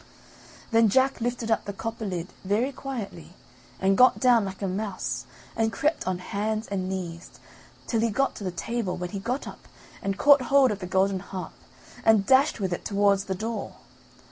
Then Jack lifted up the copper lid very quietly and got down like a mouse and crept on hands and knees till he got to the table when he got up and caught hold of the golden harp and dashed with it towards the door.